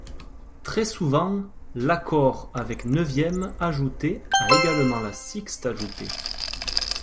Très souvent, l'accord avec neuvième ajoutée a également la sixte ajoutée.